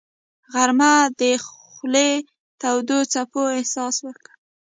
غرمه د خولې تودو څپو احساس ورکوي